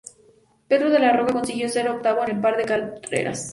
Pedro de la Rosa consiguió ser octavo en un par de carreras.